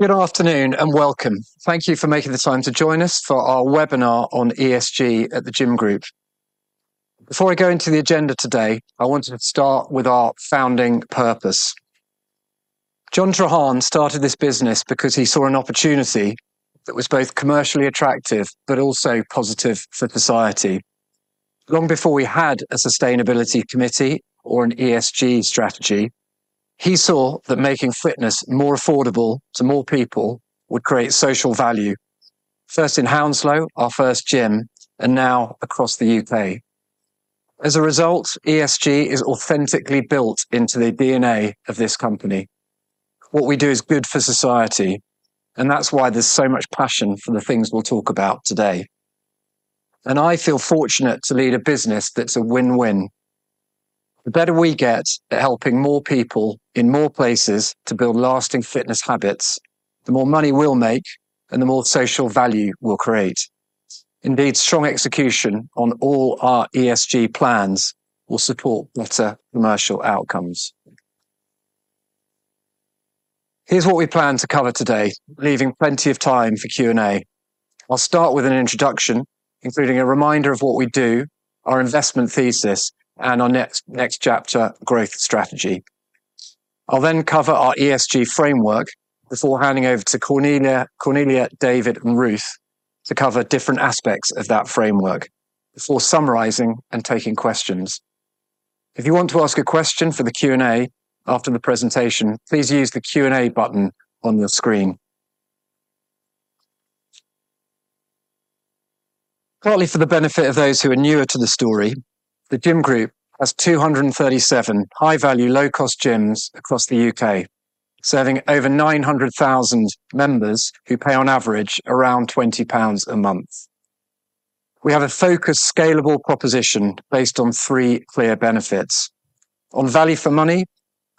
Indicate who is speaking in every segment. Speaker 1: Good afternoon and welcome. Thank you for making the time to join us for our webinar on ESG at the Gym Group. Before I go into the agenda today, I want to start with our founding purpose. John Treharne started this business because he saw an opportunity that was both commercially attractive but also positive for society. Long before we had a sustainability committee or an ESG strategy, he saw that making fitness more affordable to more people would create social value. First in Hounslow, our first gym, and now across the U.K. As a result, ESG is authentically built into the DNA of this company. What we do is good for society, and that's why there's so much passion for the things we'll talk about today. And I feel fortunate to lead a business that's a win-win. The better we get at helping more people in more places to build lasting fitness habits, the more money we'll make and the more social value we'll create. Indeed, strong execution on all our ESG plans will support better commercial outcomes. Here's what we plan to cover today, leaving plenty of time for Q&A. I'll start with an introduction, including a reminder of what we do, our investment thesis, and our next, Next Chapter growth strategy. I'll then cover our ESG framework before handing over to Cornelia, David, and Ruth to cover different aspects of that framework, before summarizing and taking questions. If you want to ask a question for the Q&A after the presentation, please use the Q&A button on your screen. Partly for the benefit of those who are newer to the story, The Gym Group has 237 high-value, low-cost gyms across the U.K., serving over 900,000 members who pay on average around 20 pounds a month. We have a focused, scalable proposition based on three clear benefits. On value for money,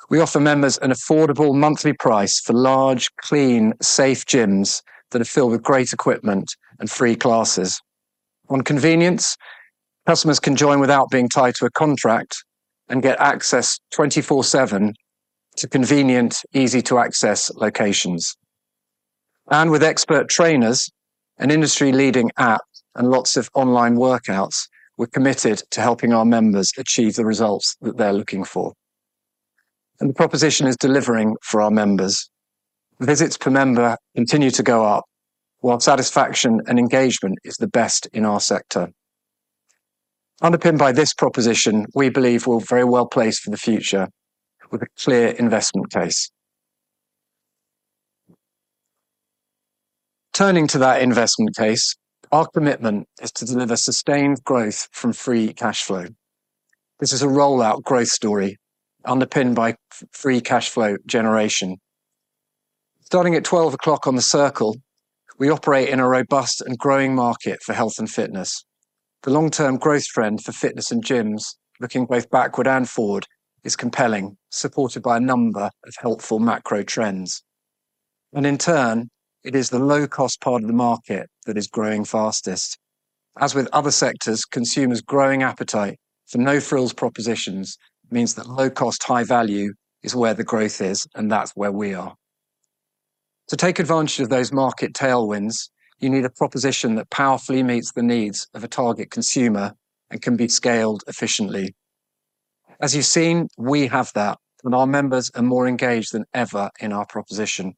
Speaker 1: we offer members an affordable monthly price for large, clean, safe gyms that are filled with great equipment and free classes. On convenience, customers can join without being tied to a contract and get access 24/7 to convenient, easy to access locations. And with expert trainers, an industry-leading app, and lots of online workouts, we're committed to helping our members achieve the results that they're looking for. And the proposition is delivering for our members. Visits per member continue to go up, while satisfaction and engagement is the best in our sector. Underpinned by this proposition, we believe we're very well placed for the future with a clear investment case. Turning to that investment case, our commitment is to deliver sustained growth from free cash flow. This is a rollout growth story underpinned by free cash flow generation. Starting at twelve o'clock on the circle, we operate in a robust and growing market for health and fitness. The long-term growth trend for fitness and gyms, looking both backward and forward, is compelling, supported by a number of helpful macro trends. And in turn, it is the low-cost part of the market that is growing fastest. As with other sectors, consumers' growing appetite for no-frills propositions means that low-cost, high-value is where the growth is, and that's where we are. To take advantage of those market tailwinds, you need a proposition that powerfully meets the needs of a target consumer and can be scaled efficiently. As you've seen, we have that, and our members are more engaged than ever in our proposition.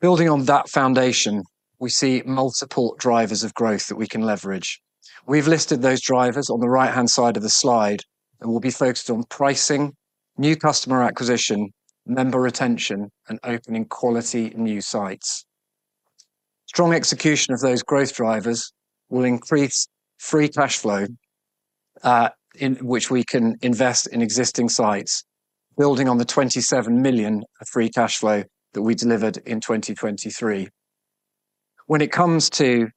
Speaker 1: Building on that foundation, we see multiple drivers of growth that we can leverage. We've listed those drivers on the right-hand side of the slide, and we'll be focused on pricing, new customer acquisition, member retention, and opening quality new sites. Strong execution of those growth drivers will increase free cash flow, in which we can invest in existing sites, building on the 27 million of free cash flow that we delivered in 2023. When it comes to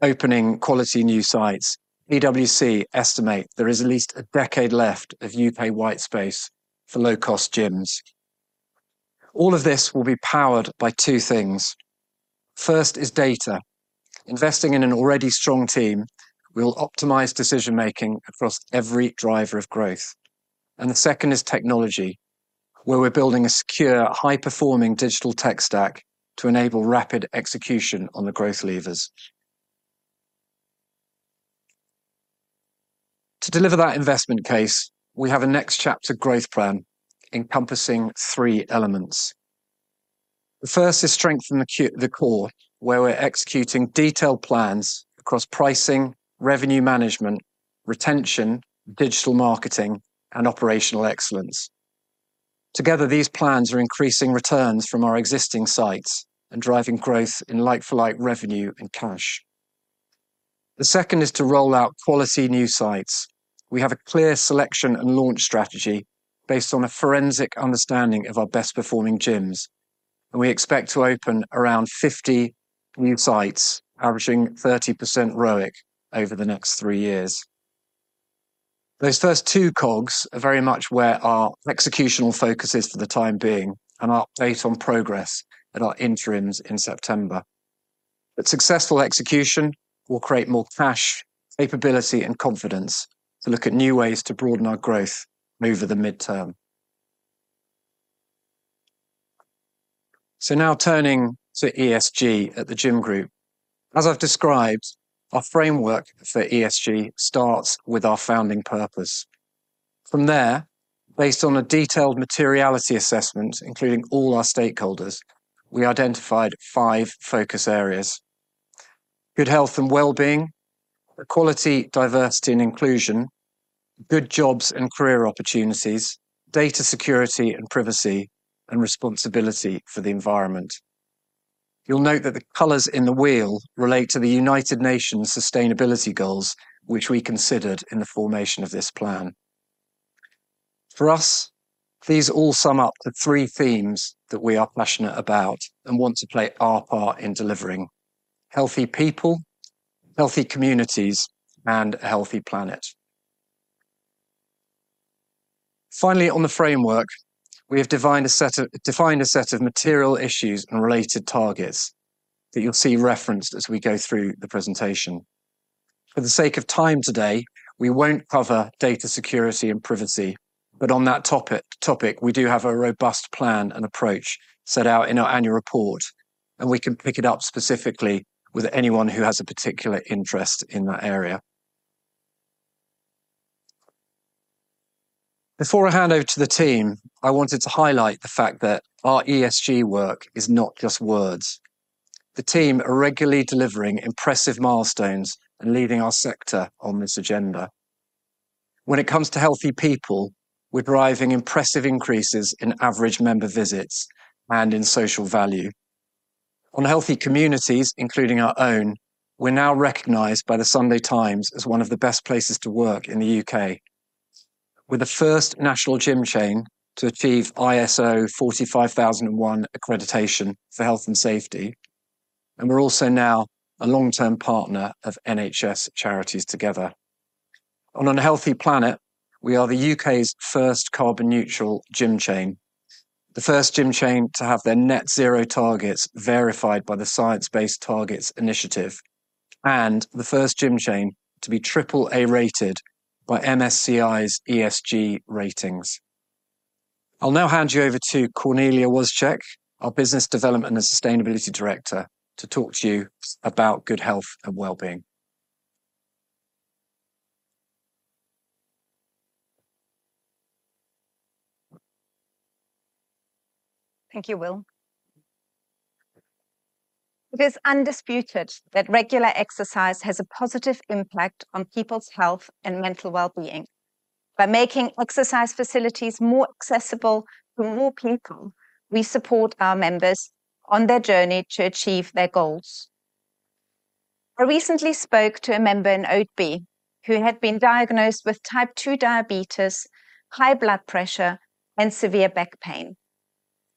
Speaker 1: opening quality new sites, PwC estimate there is at least a decade left of UK white space for low-cost gyms. All of this will be powered by 2 things. First is data. Investing in an already strong team will optimize decision-making across every driver of growth. And the second is technology, where we're building a secure, high-performing digital tech stack to enable rapid execution on the growth levers. To deliver that investment case, we have a Next Chapter growth plan encompassing 3 elements. The first is strengthen the core, where we're executing detailed plans across pricing, revenue management, retention, digital marketing, and operational excellence. Together, these plans are increasing returns from our existing sites and driving growth in like-for-like revenue and cash. The second is to roll out quality new sites. We have a clear selection and launch strategy based on a forensic understanding of our best-performing gyms, and we expect to open around 50 new sites, averaging 30% ROIC over the next 3 years. Those first two cogs are very much where our executional focus is for the time being, and I'll update on progress at our interims in September. But successful execution will create more cash, capability, and confidence to look at new ways to broaden our growth over the midterm. So now turning to ESG at The Gym Group. As I've described, our framework for ESG starts with our founding purpose. From there, based on a detailed materiality assessment, including all our stakeholders, we identified five focus areas: good health and well-being, equality, diversity, and inclusion, good jobs and career opportunities, data security and privacy, and responsibility for the environment. You'll note that the colors in the wheel relate to the United Nations sustainability goals, which we considered in the formation of this plan. For us, these all sum up the three themes that we are passionate about and want to play our part in delivering: healthy people, healthy communities, and a healthy planet. Finally, on the framework, we have defined a set of material issues and related targets that you'll see referenced as we go through the presentation. For the sake of time today, we won't cover data security and privacy, but on that topic, we do have a robust plan and approach set out in our annual report, and we can pick it up specifically with anyone who has a particular interest in that area. Before I hand over to the team, I wanted to highlight the fact that our ESG work is not just words. The team are regularly delivering impressive milestones and leading our sector on this agenda. When it comes to healthy people, we're driving impressive increases in average member visits and in social value. On healthy communities, including our own, we're now recognized by The Sunday Times as one of the best places to work in the U.K. We're the first national gym chain to achieve ISO 45001 accreditation for health and safety, and we're also now a long-term partner of NHS Charities Together. On a healthy planet, we are the U.K.'s first carbon neutral gym chain, the first gym chain to have their net zero targets verified by the Science Based Targets initiative, and the first gym chain to be triple A-rated by MSCI's ESG ratings. I'll now hand you over to Cornelia Woschek, our business development and sustainability director, to talk to you about good health and well-being.
Speaker 2: Thank you, Will. It is undisputed that regular exercise has a positive impact on people's health and mental well-being. By making exercise facilities more accessible to more people, we support our members on their journey to achieve their goals. I recently spoke to a member in Oadby who had been diagnosed with type 2 diabetes, high blood pressure, and severe back pain.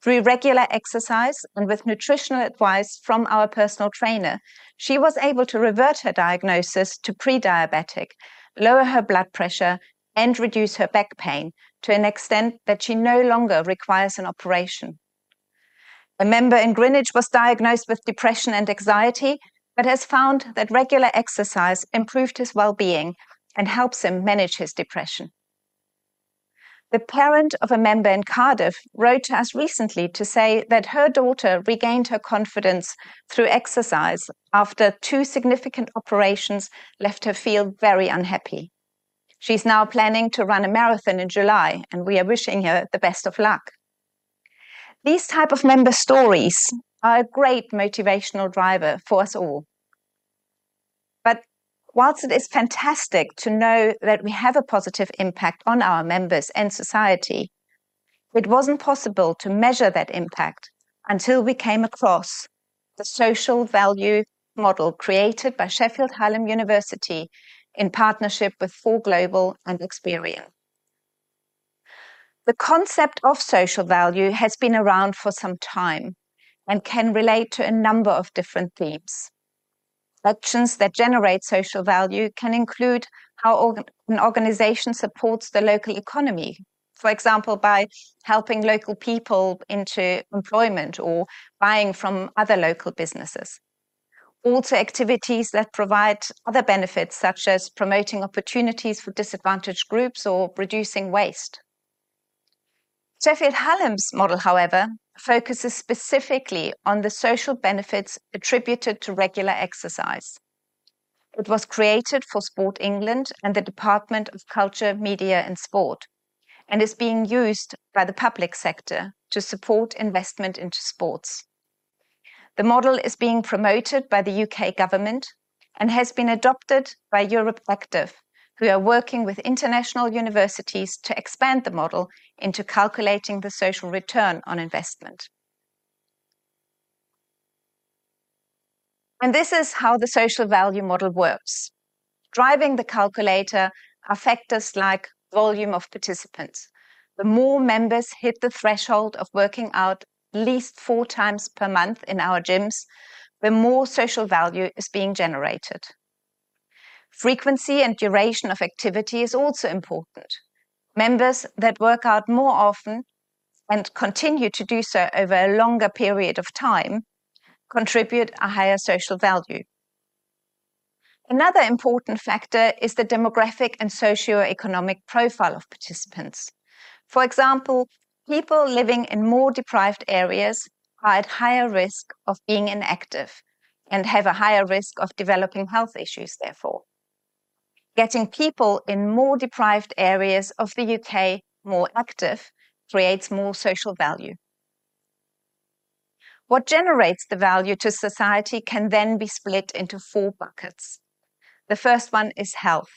Speaker 2: Through regular exercise and with nutritional advice from our personal trainer, she was able to revert her diagnosis to pre-diabetic, lower her blood pressure, and reduce her back pain to an extent that she no longer requires an operation. A member in Greenwich was diagnosed with depression and anxiety, but has found that regular exercise improved his well-being and helps him manage his depression. The parent of a member in Cardiff wrote to us recently to say that her daughter regained her confidence through exercise after two significant operations left her feel very unhappy. She's now planning to run a marathon in July, and we are wishing her the best of luck. These type of member stories are a great motivational driver for us all. While it is fantastic to know that we have a positive impact on our members and society, it wasn't possible to measure that impact until we came across the Social Value Model created by Sheffield Hallam University in partnership with 4Global and Experian. The concept of social value has been around for some time and can relate to a number of different themes. Actions that generate social value can include how an organization supports the local economy. For example, by helping local people into employment or buying from other local businesses. Also, activities that provide other benefits, such as promoting opportunities for disadvantaged groups or reducing waste. Sheffield Hallam's model, however, focuses specifically on the social benefits attributed to regular exercise. It was created for Sport England and the Department for Culture, Media and Sport, and is being used by the public sector to support investment into sports. The model is being promoted by the U.K. government and has been adopted by EuropeActive, who are working with international universities to expand the model into calculating the social return on investment. And this is how the Social Value Model works. Driving the calculator are factors like volume of participants. The more members hit the threshold of working out at least four times per month in our gyms, the more social value is being generated.... Frequency and duration of activity is also important. Members that work out more often and continue to do so over a longer period of time, contribute a higher social value. Another important factor is the demographic and socioeconomic profile of participants. For example, people living in more deprived areas are at higher risk of being inactive and have a higher risk of developing health issues, therefore. Getting people in more deprived areas of the UK more active creates more social value. What generates the value to society can then be split into 4 buckets. The first one is health.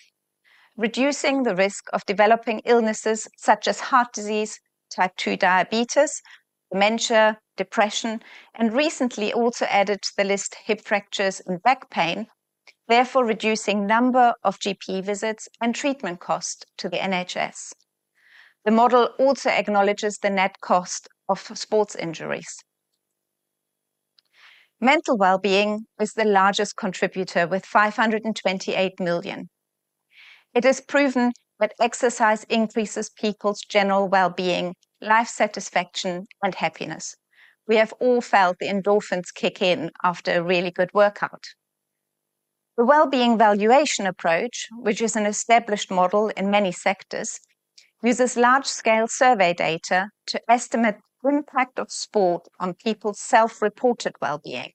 Speaker 2: Reducing the risk of developing illnesses such as heart disease, type 2 diabetes, dementia, depression, and recently also added to the list, hip fractures and back pain, therefore, reducing number of GP visits and treatment costs to the NHS. The model also acknowledges the net cost of sports injuries. Mental wellbeing is the largest contributor, with 528 million. It is proven that exercise increases people's general wellbeing, life satisfaction, and happiness. We have all felt the endorphins kick in after a really good workout. The wellbeing valuation approach, which is an established model in many sectors, uses large-scale survey data to estimate the impact of sport on people's self-reported wellbeing,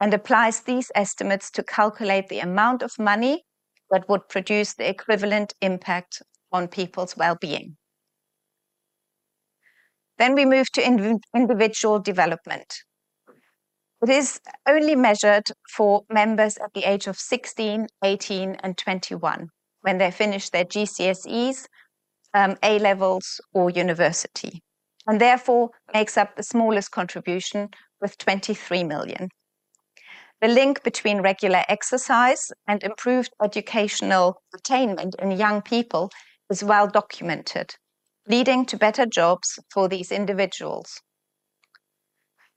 Speaker 2: and applies these estimates to calculate the amount of money that would produce the equivalent impact on people's wellbeing. Then we move to individual development. It is only measured for members at the age of sixteen, eighteen, and twenty-one, when they finish their GCSEs, A levels, or university, and therefore makes up the smallest contribution with 23 million. The link between regular exercise and improved educational attainment in young people is well documented, leading to better jobs for these individuals.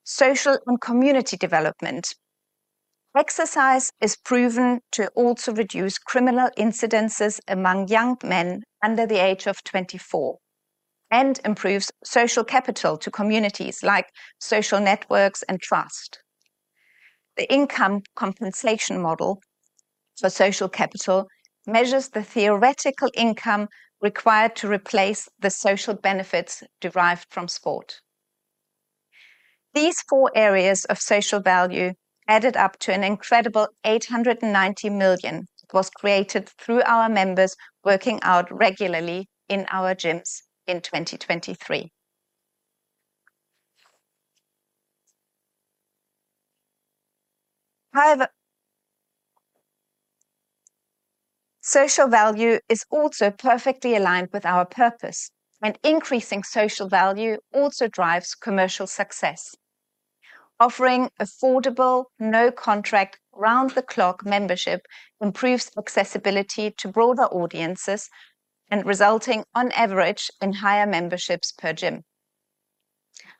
Speaker 2: Social and community development. Exercise is proven to also reduce criminal incidences among young men under the age of 24, and improves social capital to communities like social networks and trust. The income compensation model for social capital measures the theoretical income required to replace the social benefits derived from sport. These four areas of social value added up to an incredible 890 million, was created through our members working out regularly in our gyms in 2023. However, social value is also perfectly aligned with our purpose, and increasing social value also drives commercial success. Offering affordable, no-contract, round-the-clock membership improves accessibility to broader audiences, and resulting, on average, in higher memberships per gym.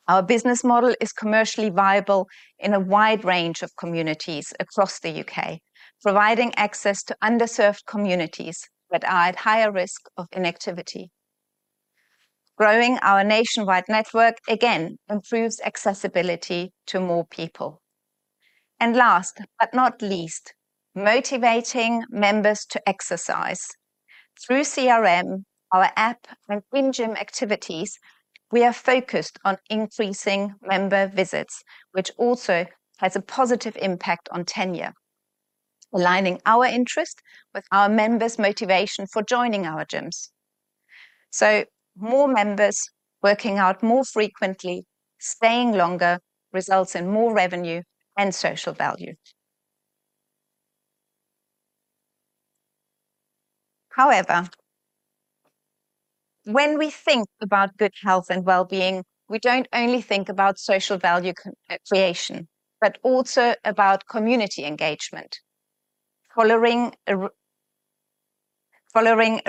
Speaker 2: Our business model is commercially viable in a wide range of communities across the U.K., providing access to underserved communities that are at higher risk of inactivity. Growing our nationwide network, again, improves accessibility to more people. And last but not least, motivating members to exercise. Through CRM, our app, and in-gym activities, we are focused on increasing member visits, which also has a positive impact on tenure, aligning our interest with our members' motivation for joining our gyms. So more members working out more frequently, staying longer, results in more revenue and social value. However, when we think about good health and wellbeing, we don't only think about social value creation, but also about community engagement. Following a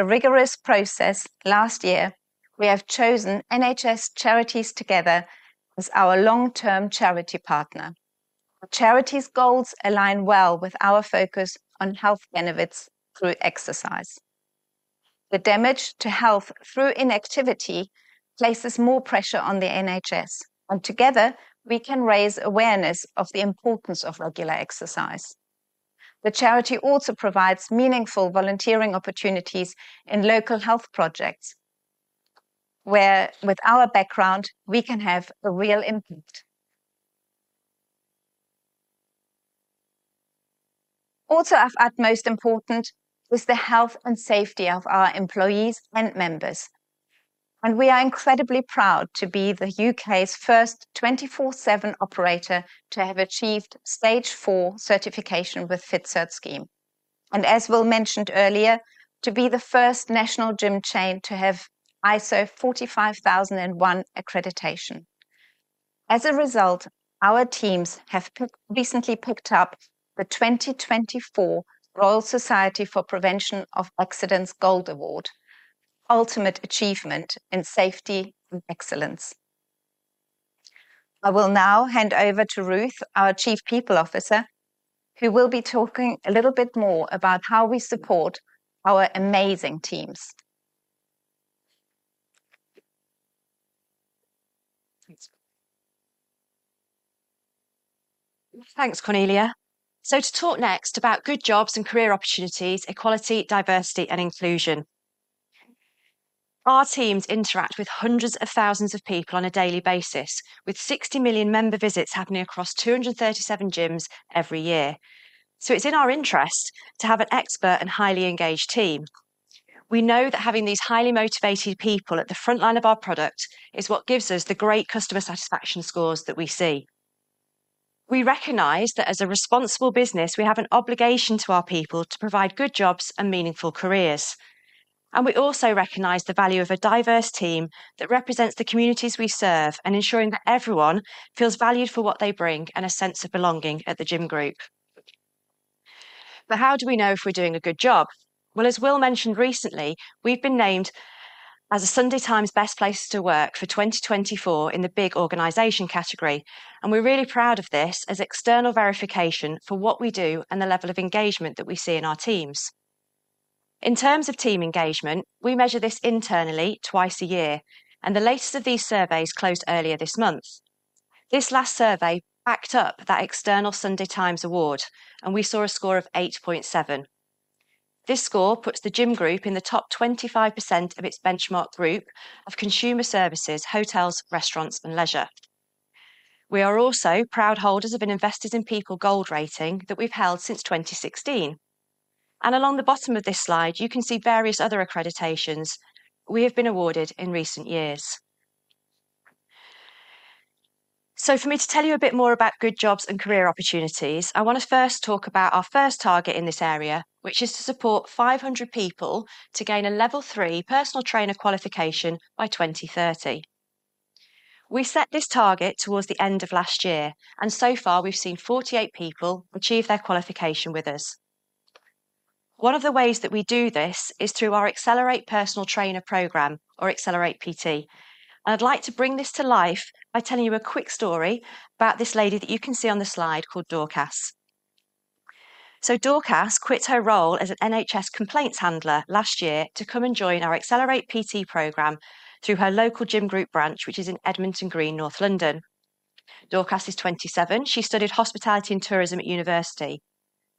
Speaker 2: rigorous process last year, we have chosen NHS Charities Together as our long-term charity partner. The charity's goals align well with our focus on health benefits through exercise. The damage to health through inactivity places more pressure on the NHS, and together, we can raise awareness of the importance of regular exercise. The charity also provides meaningful volunteering opportunities in local health projects, where with our background, we can have a real impact. Also of utmost important is the health and safety of our employees and members, and we are incredibly proud to be the U.K.'s first 24/7 operator to have achieved Stage 4 certification with FITcert scheme, and as Will mentioned earlier, to be the first national gym chain to have ISO 45001 accreditation. As a result, our teams have recently picked up the 2024 Royal Society for Prevention of Accidents Gold Award, ultimate achievement in safety and excellence. I will now hand over to Ruth, our Chief People Officer, who will be talking a little bit more about how we support our amazing teams.
Speaker 3: Thanks, Cornelia. So to talk next about good jobs and career opportunities, equality, diversity, and inclusion. Our teams interact with hundreds of thousands of people on a daily basis, with 60 million member visits happening across 237 gyms every year. So it's in our interest to have an expert and highly engaged team. We know that having these highly motivated people at the frontline of our product is what gives us the great customer satisfaction scores that we see. We recognize that as a responsible business, we have an obligation to our people to provide good jobs and meaningful careers, and we also recognize the value of a diverse team that represents the communities we serve and ensuring that everyone feels valued for what they bring and a sense of belonging at The Gym Group. But how do we know if we're doing a good job? Well, as Will mentioned recently, we've been named as a Sunday Times Best Places to Work for 2024 in the big organization category, and we're really proud of this as external verification for what we do and the level of engagement that we see in our teams. In terms of team engagement, we measure this internally twice a year, and the latest of these surveys closed earlier this month. This last survey backed up that external Sunday Times award, and we saw a score of 8.7. This score puts The Gym Group in the top 25% of its benchmark group of consumer services, hotels, restaurants, and leisure. We are also proud holders of an Investors in People gold rating that we've held since 2016. Along the bottom of this slide, you can see various other accreditations we have been awarded in recent years. So for me to tell you a bit more about good jobs and career opportunities, I want to first talk about our first target in this area, which is to support 500 people to gain a Level 3 personal trainer qualification by 2030. We set this target towards the end of last year, and so far, we've seen 48 people achieve their qualification with us. One of the ways that we do this is through our Accelerate Personal Trainer program or Accelerate PT, and I'd like to bring this to life by telling you a quick story about this lady that you can see on the slide called Dorcas. So Dorcas quit her role as an NHS complaints handler last year to come and join our Accelerate PT program through her local Gym Group branch, which is in Edmonton Green, North London. Dorcas is 27. She studied hospitality and tourism at university,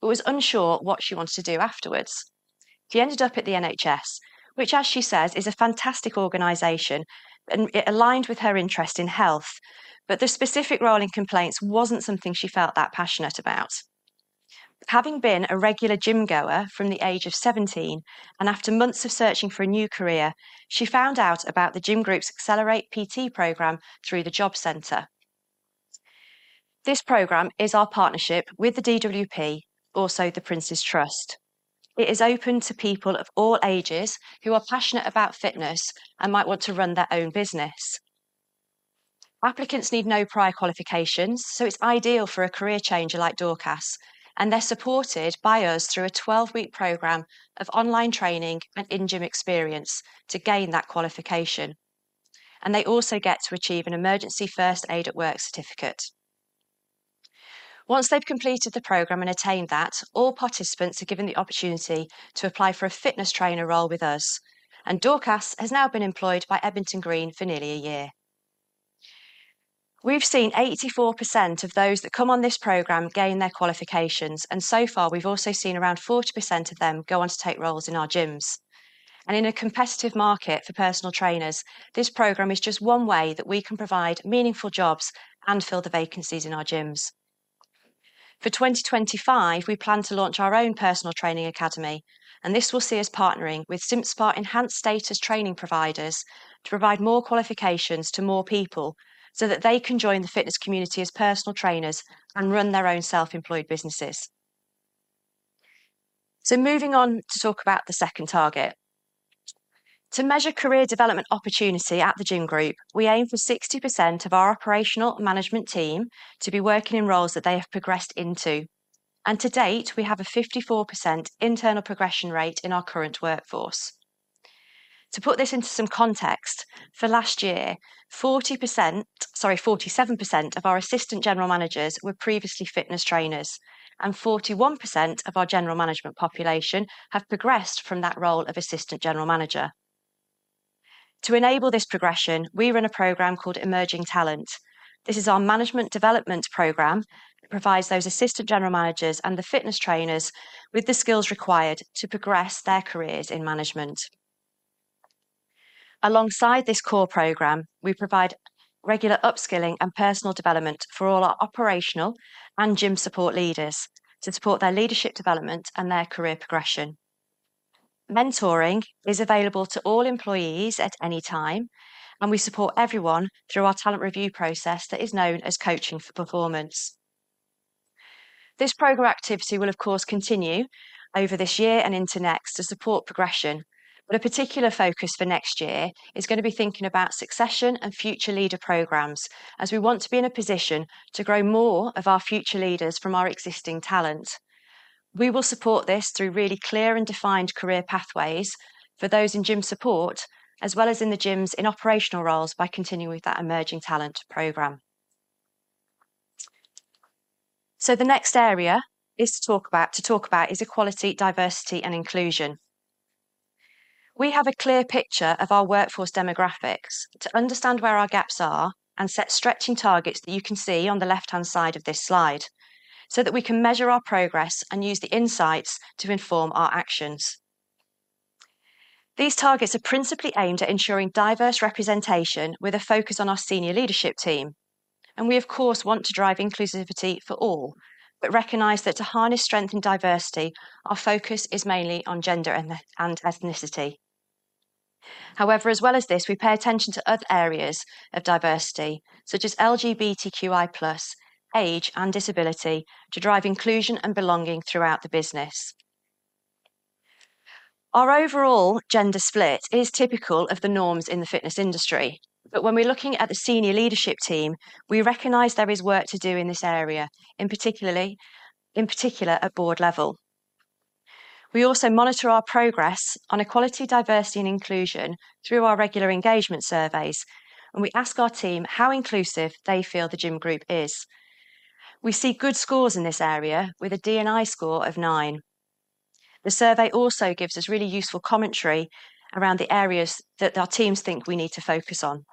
Speaker 3: but was unsure what she wanted to do afterwards. She ended up at the NHS, which, as she says, is a fantastic organization, and it aligned with her interest in health. But the specific role in complaints wasn't something she felt that passionate about. Having been a regular gym goer from the age of 17 and after months of searching for a new career, she found out about The Gym Group's Accelerate PT program through the Jobcentre. This program is our partnership with the DWP, also The Prince’s Trust. It is open to people of all ages who are passionate about fitness and might want to run their own business. Applicants need no prior qualifications, so it's ideal for a career changer like Dorcas, and they're supported by us through a 12-week program of online training and in-gym experience to gain that qualification. They also get to achieve an Emergency First Aid at Work certificate. Once they've completed the program and attained that, all participants are given the opportunity to apply for a fitness trainer role with us, and Dorcas has now been employed by Edmonton Green for nearly a year. We've seen 84% of those that come on this program gain their qualifications, and so far, we've also seen around 40% of them go on to take roles in our gyms. In a competitive market for personal trainers, this program is just one way that we can provide meaningful jobs and fill the vacancies in our gyms. For 2025, we plan to launch our own personal training academy, and this will see us partnering with CIMSPA Enhanced Status training providers to provide more qualifications to more people so that they can join the fitness community as personal trainers and run their own self-employed businesses. Moving on to talk about the second target. To measure career development opportunity at The Gym Group, we aim for 60% of our operational management team to be working in roles that they have progressed into. And to date, we have a 54% internal progression rate in our current workforce. To put this into some context, for last year, 40%, sorry, 47% of our assistant general managers were previously fitness trainers, and 41% of our general management population have progressed from that role of assistant general manager. To enable this progression, we run a program called Emerging Talent. This is our management development program. It provides those assistant general managers and the fitness trainers with the skills required to progress their careers in management. Alongside this core program, we provide regular upskilling and personal development for all our operational and gym support leaders to support their leadership development and their career progression. Mentoring is available to all employees at any time, and we support everyone through our talent review process that is known as Coaching for Performance. This program activity will, of course, continue over this year and into next to support progression, but a particular focus for next year is going to be thinking about succession and future leader programs, as we want to be in a position to grow more of our future leaders from our existing talent. We will support this through really clear and defined career pathways for those in gym support, as well as in the gyms in operational roles by continuing with that Emerging Talent program. So the next area is to talk about equality, diversity, and inclusion. We have a clear picture of our workforce demographics to understand where our gaps are and set stretching targets that you can see on the left-hand side of this slide, so that we can measure our progress and use the insights to inform our actions. These targets are principally aimed at ensuring diverse representation with a focus on our senior leadership team, and we, of course, want to drive inclusivity for all, but recognize that to harness strength and diversity, our focus is mainly on gender and ethnicity. However, as well as this, we pay attention to other areas of diversity, such as LGBTQI+, age, and disability, to drive inclusion and belonging throughout the business. Our overall gender split is typical of the norms in the fitness industry, but when we're looking at the senior leadership team, we recognize there is work to do in this area, in particular, at board level. We also monitor our progress on equality, diversity, and inclusion through our regular engagement surveys, and we ask our team how inclusive they feel The Gym Group is. We see good scores in this area with a D&I score of nine. The survey also gives us really useful commentary around the areas that our teams think we need to focus on.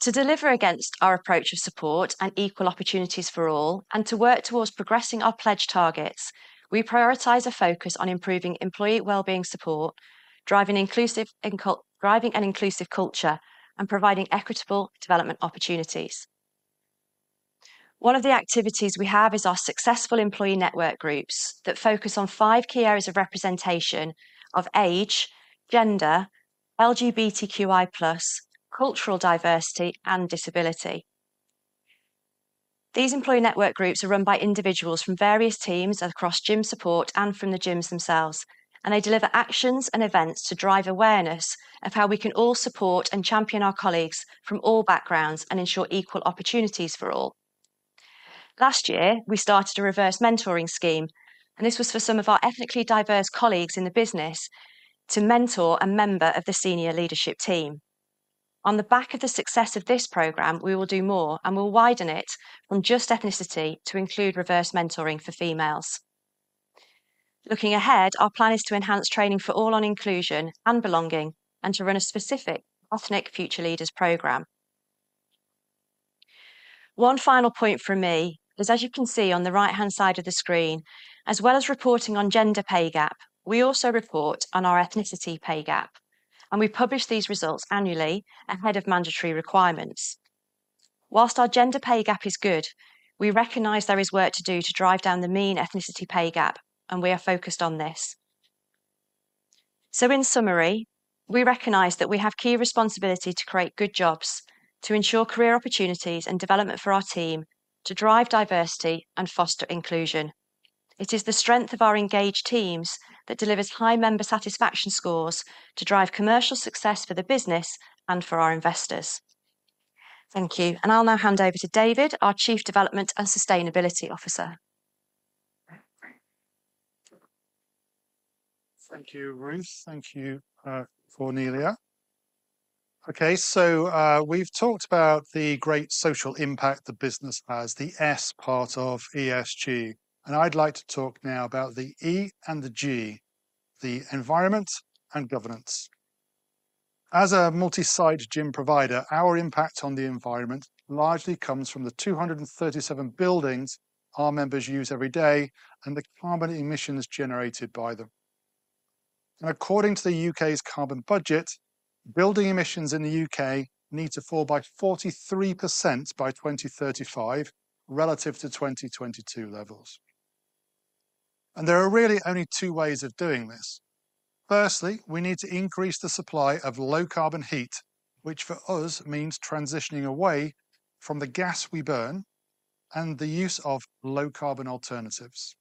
Speaker 3: To deliver against our approach of support and equal opportunities for all, and to work towards progressing our pledge targets, we prioritize a focus on improving employee well-being support, driving an inclusive culture, and providing equitable development opportunities. One of the activities we have is our successful employee network groups that focus on five key areas of representation of age, gender, LGBTQI+, cultural diversity, and disability. These employee network groups are run by individuals from various teams across gym support and from the gyms themselves, and they deliver actions and events to drive awareness of how we can all support and champion our colleagues from all backgrounds and ensure equal opportunities for all. Last year, we started a reverse mentoring scheme, and this was for some of our ethnically diverse colleagues in the business to mentor a member of the senior leadership team. On the back of the success of this program, we will do more, and we'll widen it from just ethnicity to include reverse mentoring for females. Looking ahead, our plan is to enhance training for all on inclusion and belonging and to run a specific Ethnic Future Leaders program. One final point from me is, as you can see on the right-hand side of the screen, as well as reporting on gender pay gap, we also report on our ethnicity pay gap, and we publish these results annually ahead of mandatory requirements. While our gender pay gap is good, we recognize there is work to do to drive down the mean ethnicity pay gap, and we are focused on this. So in summary, we recognize that we have key responsibility to create good jobs, to ensure career opportunities and development for our team, to drive diversity and foster inclusion. It is the strength of our engaged teams that delivers high member satisfaction scores to drive commercial success for the business and for our investors. Thank you, and I'll now hand over to David, our Chief Development and Sustainability Officer.
Speaker 4: Thank you, Ruth. Thank you, Cornelia. Okay, so, we've talked about the great social impact the business has, the S part of ESG, and I'd like to talk now about the E and the G, the Environment and Governance. As a multi-site gym provider, our impact on the environment largely comes from the 237 buildings our members use every day and the carbon emissions generated by them. According to the U.K.'s carbon budget, building emissions in the U.K. need to fall by 43% by 2035, relative to 2022 levels, and there are really only two ways of doing this. Firstly, we need to increase the supply of low-carbon heat, which for us means transitioning away from the gas we burn and the use of low-carbon alternatives.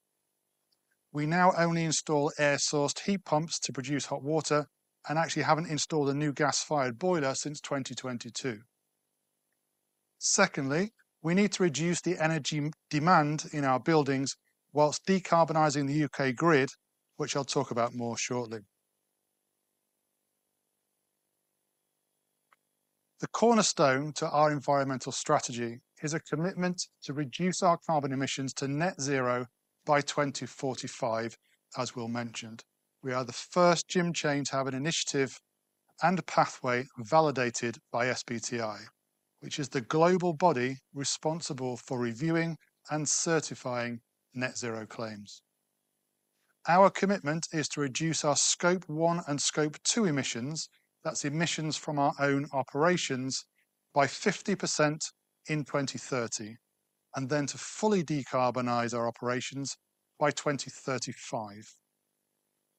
Speaker 4: We now only install air-source heat pumps to produce hot water and actually haven't installed a new gas-fired boiler since 2022. Secondly, we need to reduce the energy demand in our buildings while decarbonizing the U.K. grid, which I'll talk about more shortly. The cornerstone to our environmental strategy is a commitment to reduce our carbon emissions to net zero by 2045, as Will mentioned. We are the first gym chain to have an initiative and a pathway validated by SBTi, which is the global body responsible for reviewing and certifying net zero claims. Our commitment is to reduce our Scope 1 and Scope 2 emissions, that's emissions from our own operations, by 50% in 2030, and then to fully decarbonize our operations by 2035.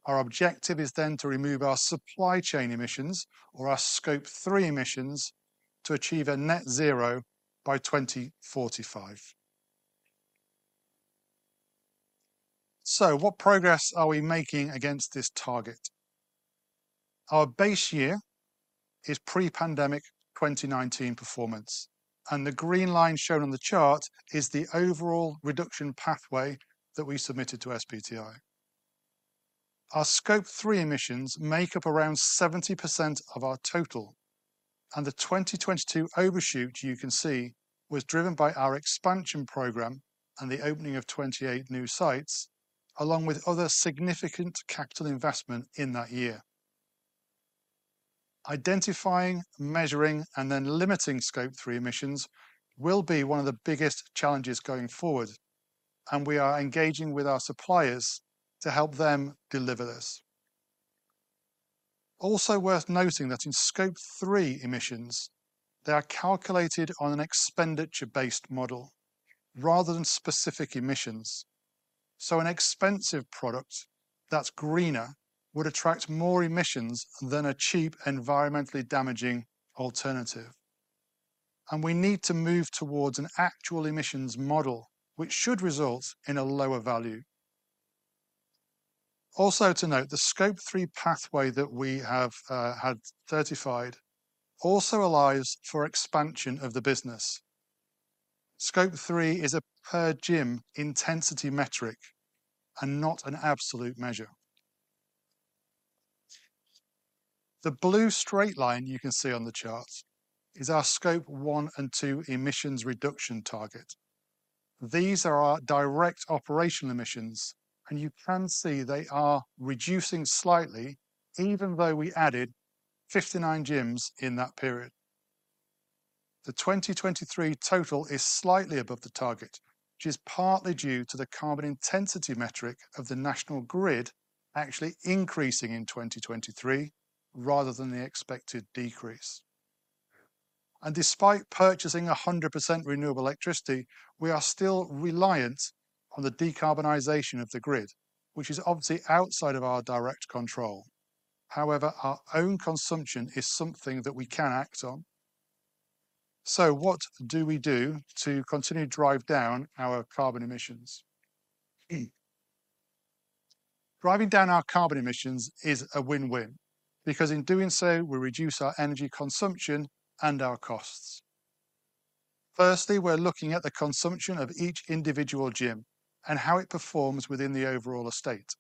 Speaker 4: Our objective is then to remove our supply chain emissions, or our Scope 3 emissions, to achieve a net zero by 2045. So what progress are we making against this target? Our base year is pre-pandemic 2019 performance, and the green line shown on the chart is the overall reduction pathway that we submitted to SBTi. Our Scope 3 emissions make up around 70% of our total, and the 2022 overshoot, you can see, was driven by our expansion program and the opening of 28 new sites, along with other significant capital investment in that year. Identifying, measuring, and then limiting Scope 3 emissions will be one of the biggest challenges going forward, and we are engaging with our suppliers to help them deliver this. Also worth noting that in Scope 3 emissions, they are calculated on an expenditure-based model rather than specific emissions. An expensive product that's greener would attract more emissions than a cheap, environmentally damaging alternative. We need to move towards an actual emissions model, which should result in a lower value. Also to note, the Scope 3 pathway that we have had certified also allows for expansion of the business. Scope 3 is a per gym intensity metric and not an absolute measure. The blue straight line you can see on the chart is our Scope 1 and 2 emissions reduction target. These are our direct operation emissions, and you can see they are reducing slightly, even though we added 59 gyms in that period. The 2023 total is slightly above the target, which is partly due to the carbon intensity metric of the national grid actually increasing in 2023, rather than the expected decrease. Despite purchasing 100% renewable electricity, we are still reliant on the decarbonization of the grid, which is obviously outside of our direct control. However, our own consumption is something that we can act on. So what do we do to continue to drive down our carbon emissions? Driving down our carbon emissions is a win-win, because in doing so, we reduce our energy consumption and our costs. Firstly, we're looking at the consumption of each individual gym and how it performs within the overall estate.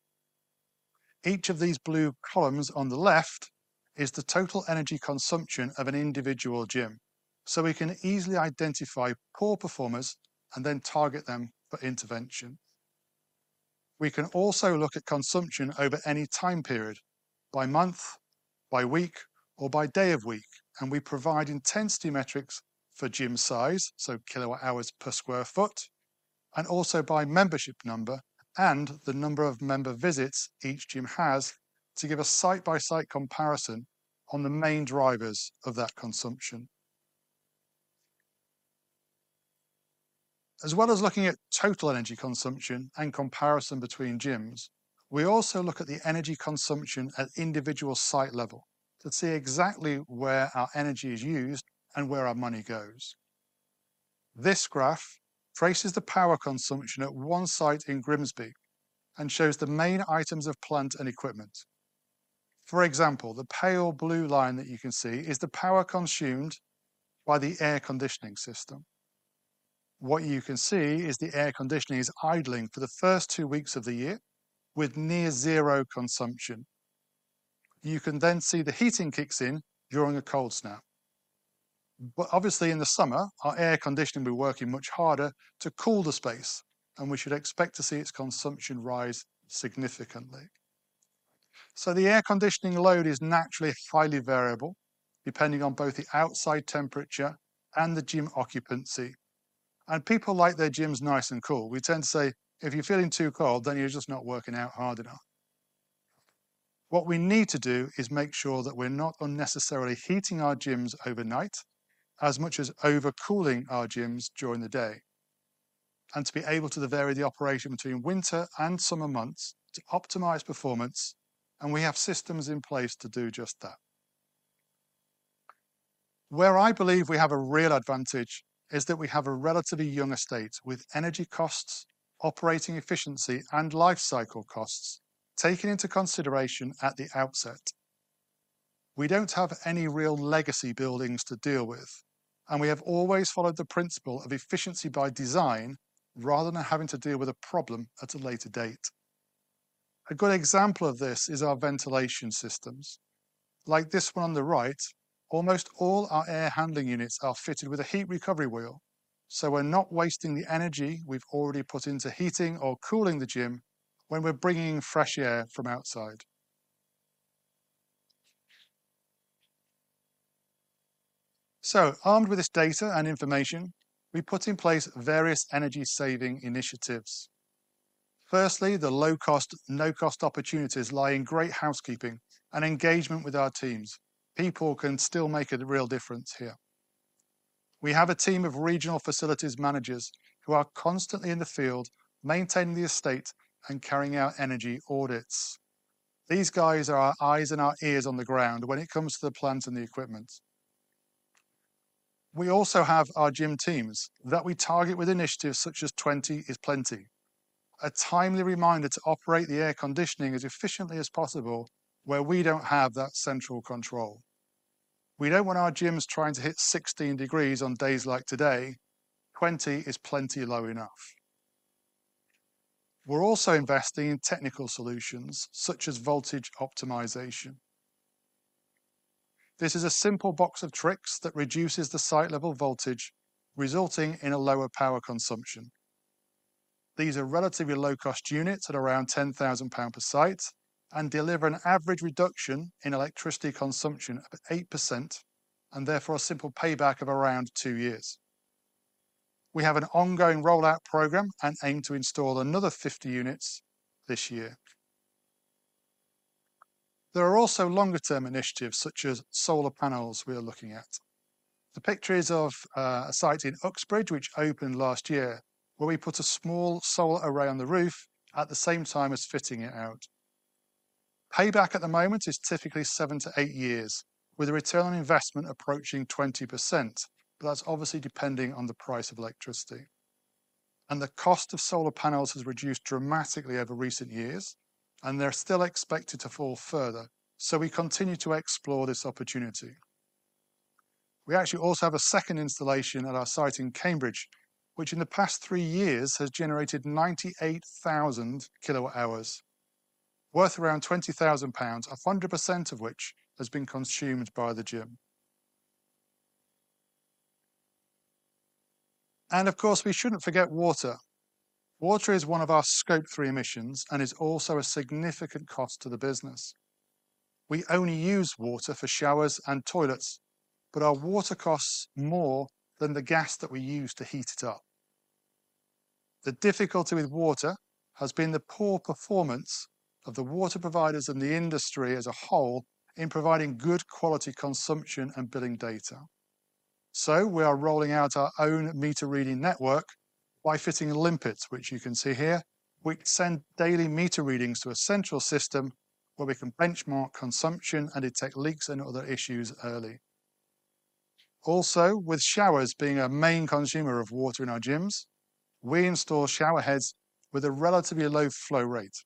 Speaker 4: Each of these blue columns on the left is the total energy consumption of an individual gym, so we can easily identify poor performers and then target them for intervention. We can also look at consumption over any time period, by month, by week, or by day of week, and we provide intensity metrics for gym size, so kilowatt hours per sq ft, and also by membership number and the number of member visits each gym has, to give a site-by-site comparison on the main drivers of that consumption. As well as looking at total energy consumption and comparison between gyms, we also look at the energy consumption at individual site level, to see exactly where our energy is used and where our money goes. This graph traces the power consumption at one site in Grimsby and shows the main items of plant and equipment. For example, the pale blue line that you can see is the power consumed by the air conditioning system. What you can see is the air conditioning is idling for the first two weeks of the year with near zero consumption. You can then see the heating kicks in during a cold snap. But obviously, in the summer, our air conditioning will be working much harder to cool the space, and we should expect to see its consumption rise significantly. So the air conditioning load is naturally highly variable, depending on both the outside temperature and the gym occupancy, and people like their gyms nice and cool. We tend to say, "If you're feeling too cold, then you're just not working out hard enough." What we need to do is make sure that we're not unnecessarily heating our gyms overnight, as much as overcooling our gyms during the day, and to be able to vary the operation between winter and summer months to optimize performance, and we have systems in place to do just that. Where I believe we have a real advantage is that we have a relatively young estate with energy costs, operating efficiency, and life cycle costs taken into consideration at the outset. We don't have any real legacy buildings to deal with, and we have always followed the principle of efficiency by design, rather than having to deal with a problem at a later date. A good example of this is our ventilation systems. Like this one on the right, almost all our air handling units are fitted with a heat recovery wheel, so we're not wasting the energy we've already put into heating or cooling the gym when we're bringing in fresh air from outside. So armed with this data and information, we put in place various energy-saving initiatives. Firstly, the low-cost, no-cost opportunities lie in great housekeeping and engagement with our teams. People can still make a real difference here. We have a team of regional facilities managers who are constantly in the field, maintaining the estate and carrying out energy audits. These guys are our eyes and our ears on the ground when it comes to the plant and the equipment. We also have our gym teams that we target with initiatives such as Twenty is Plenty, a timely reminder to operate the air conditioning as efficiently as possible where we don't have that central control... We don't want our gyms trying to hit 16 degrees on days like today. 20 is plenty low enough. We're also investing in technical solutions, such as voltage optimization. This is a simple box of tricks that reduces the site level voltage, resulting in a lower power consumption. These are relatively low-cost units at around 10,000 pound per site and deliver an average reduction in electricity consumption of 8%, and therefore, a simple payback of around 2 years. We have an ongoing rollout program and aim to install another 50 units this year. There are also longer term initiatives, such as solar panels, we are looking at. The picture is of a site in Uxbridge, which opened last year, where we put a small solar array on the roof at the same time as fitting it out. Payback at the moment is typically 7-8 years, with a return on investment approaching 20%, but that's obviously depending on the price of electricity. The cost of solar panels has reduced dramatically over recent years, and they're still expected to fall further. So we continue to explore this opportunity. We actually also have a second installation at our site in Cambridge, which in the past 3 years has generated 98,000 kWh, worth around 20,000 pounds, 100% of which has been consumed by the gym. Of course, we shouldn't forget water. Water is one of our Scope 3 emissions and is also a significant cost to the business. We only use water for showers and toilets, but our water costs more than the gas that we use to heat it up. The difficulty with water has been the poor performance of the water providers and the industry as a whole in providing good quality consumption and billing data. So we are rolling out our own meter reading network by fitting Limpets, which you can see here. We send daily meter readings to a central system, where we can benchmark consumption and detect leaks and other issues early. Also, with showers being a main consumer of water in our gyms, we install shower heads with a relatively low flow rate,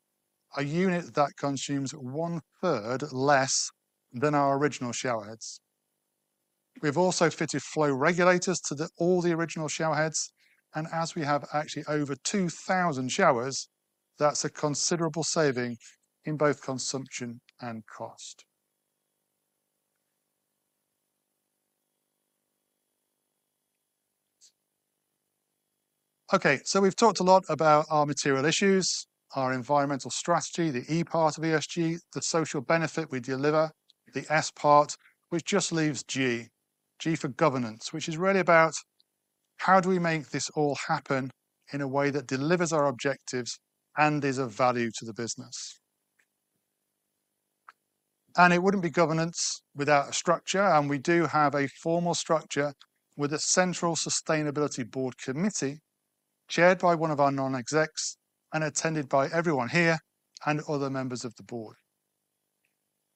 Speaker 4: a unit that consumes one-third less than our original shower heads. We've also fitted flow regulators to all the original shower heads, and as we have actually over 2,000 showers, that's a considerable saving in both consumption and cost. Okay, so we've talked a lot about our material issues, our environmental strategy, the E part of ESG, the social benefit we deliver, the S part, which just leaves G. G for governance, which is really about how do we make this all happen in a way that delivers our objectives and is of value to the business? And it wouldn't be governance without a structure, and we do have a formal structure with a central sustainability board committee, chaired by one of our non-execs and attended by everyone here and other members of the board.